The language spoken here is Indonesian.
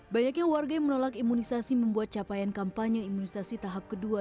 banyaknya warga yang menolak imunisasi membuat capaian kampanye imunisasi tahap kedua